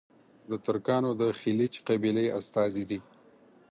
د ترکانو د خیلیچ قبیلې استازي دي.